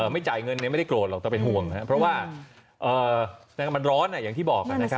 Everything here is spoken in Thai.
ไม่จ่ายเงินเนี่ยไม่ได้โกรธหรอกต้องเป็นห่วงนะครับเพราะว่ามันร้อนอ่ะอย่างที่บอกนะครับ